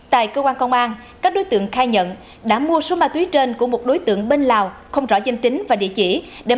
tại cơ quan công an các đối tượng khai nhận đã mua số ma túy trên của một đối tượng bên lào không rõ danh tính và địa chỉ